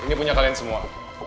ini punya kalian semua